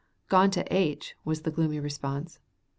"Gone to h ," was the gloomy response.